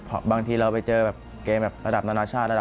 เพราะว่าผมแค่สิบแปด